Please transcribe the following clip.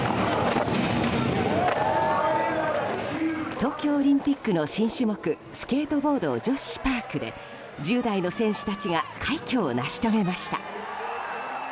東京オリンピックの新種目スケートボード女子パークで１０代の選手たちが快挙を成し遂げました。